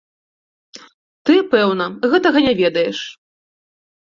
Ты, пэўна, гэтага не ведаеш.